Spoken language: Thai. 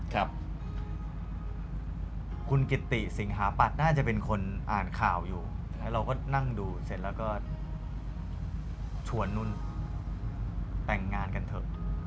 ครับคุณกิติสิงหาปัตย์น่าจะเป็นคนอ่านข่าวอยู่แล้วเราก็นั่งดูเสร็จแล้วก็ชวนนุ่นแต่งงานกันเถอะ